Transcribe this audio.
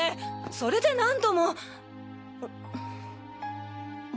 それで何度も。